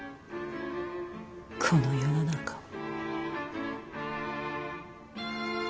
この世の中は。